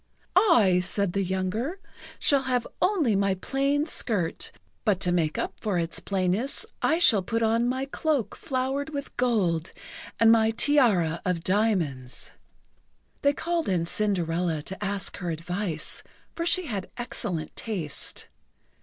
"I," said the younger, "shall have only my plain skirt, but to make up for its plainness, I shall put on my cloak flowered with gold, and my tiara of diamonds." They called in Cinderella to ask her advice, for she had excellent taste.